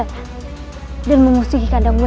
owl pemasukan tanganku